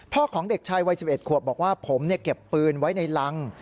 ของเด็กชายวัย๑๑ขวบบอกว่าผมเก็บปืนไว้ในรัง